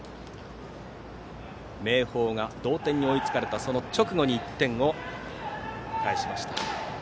明豊が同点に追いつかれた直後に１点を返しました。